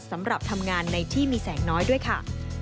สำหรับทำงานในที่มีแสงน้อยด้วยค่ะ